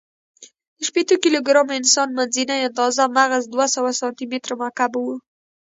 د شپېتو کیلو ګرامه انسان، منځنۍ آندازه مغز دوهسوه سانتي متر مکعب و.